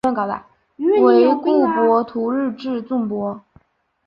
惟故博徒日至纵博。